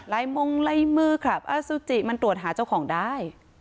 มงลายมือครับอสุจิมันตรวจหาเจ้าของได้